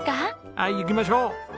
はい行きましょう。